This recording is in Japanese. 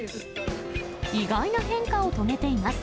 意外な変化を遂げています。